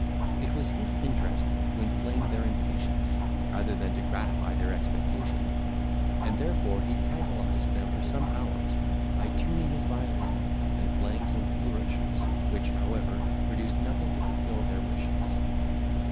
It was his interest to inflame their impatience, rather than to gratify their expectation; and therefore he tantalised them for some hours, by tuning his violin, and playing some flourishes, which, however, produced nothing to fulfil their wishes.